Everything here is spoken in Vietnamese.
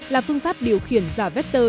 là phương pháp điều khiển giả vector